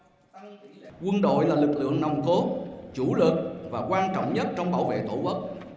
tăng lý lệnh quân đội là lực lượng nồng cố chủ lực và quan trọng nhất trong bảo vệ tổ quốc